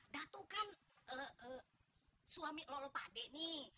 datu kan suami lo lo pade nih